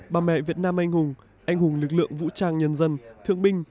bà mẹ việt nam anh hùng anh hùng lực lượng vũ trang nhân dân thương binh